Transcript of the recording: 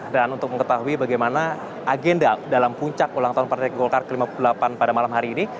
dan untuk mengetahui bagaimana agenda dalam puncak ulang tahun partai golkar ke lima puluh delapan pada malam hari ini